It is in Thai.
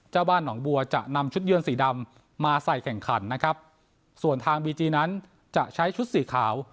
เจ้าบ้านหนองบัวจะนำชุดเยือนสีดำมาใส่แข่งขันนะครับส่วนทางบีจีนั้นจะใช้ชุดสีขาว